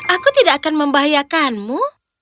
aku tidak akan membahayakanmu